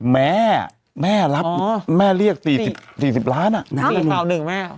แม่แม่เรียก๔๐ล้านเนี่ย